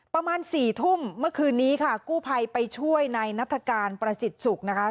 ประมาณสี่ทุ่มเมื่อคืนนี้ค่ะกู้ภัยไปช่วยในนัฐกาลประสิทธิ์สุขนะคะ